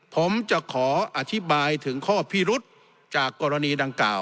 ผมจะขออธิบายถึงข้อพิรุษจากกรณีดังกล่าว